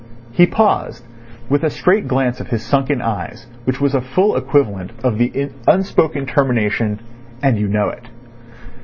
He paused, with a straight glance of his sunken eyes which was a full equivalent of the unspoken termination "and you know it."